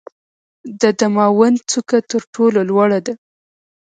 د دماوند څوکه تر ټولو لوړه ده.